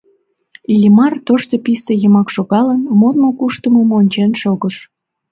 Иллимар, тошто писте йымак шогалын, модмо-куштымым ончен шогыш.